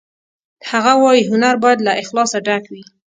هغه وایی هنر باید له اخلاصه ډک وي